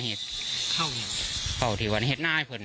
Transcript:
ไม่รู้จริงว่าเกิดอะไรขึ้น